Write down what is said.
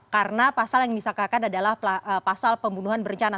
karena pasal yang disatakan adalah pasal pembunuhan berencana